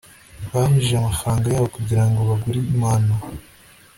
bahujije amafaranga yabo kugirango bagure impano